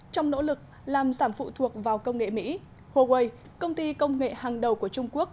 trong nỗ lực làm giảm phụ thuộc vào công nghệ mỹ huawei công ty công nghệ hàng đầu của trung quốc